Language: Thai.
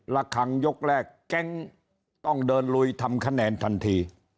ละครั้งยกแรกแก๊งต้องเดินลุยทำคะแนนทันที